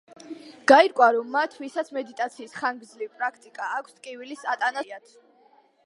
გაირკვა, რომ მათ, ვისაც მედიტაციის ხანგრძლივი პრაქტიკა აქვს, ტკივილის ატანაც უფრო მარტივად შეუძლიათ.